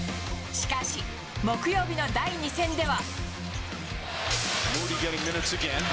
しかし木曜日の第２戦では。